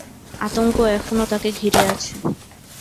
আতঙ্ক এখনো তাকে ঘিরে আছে।